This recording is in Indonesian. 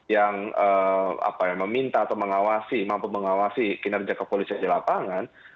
yang meminta atau mengawasi mampu mengawasi kinerja kepolisian di lapangan